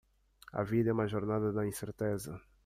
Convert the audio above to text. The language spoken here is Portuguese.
A vida é uma jornada na incerteza.